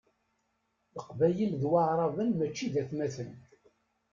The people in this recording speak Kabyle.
Leqbayel d waɛraben mačči d atmaten.